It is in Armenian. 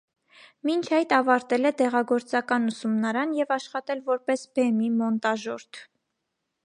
Մինչ այդ ավարտել է դեղագործական ուսումնարան և աշխատել որպես բեմի մոնտաժորդ։